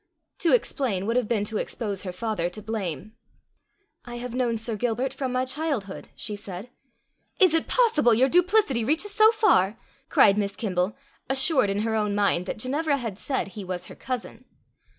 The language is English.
To explain would have been to expose her father to blame. "I have known Sir Gilbert from my childhood," she said. "Is it possible your duplicity reaches so far?" cried Miss Kimble, assured in her own mind that Ginevra had said he was her cousin.